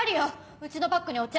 うちのバッグにお茶。